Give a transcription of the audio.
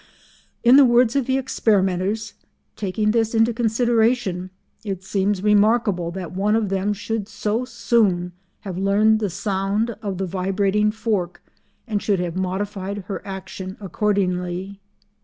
In the words of the experimenters—"Taking this into consideration, it seems remarkable that one of them should so soon have learned the sound of the vibrating fork, and should have modified her action accordingly."